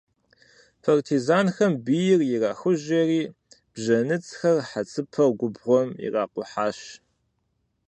Партизанхэм бийр ирахужьэри, бжэныцрэ хьэцыпэу губгъуэм иракъухьащ.